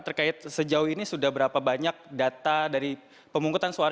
terkait sejauh ini sudah berapa banyak data dari pemungkutan suara